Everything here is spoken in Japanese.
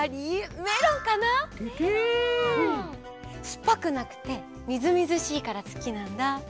すっぱくなくてみずみずしいからすきなんだ。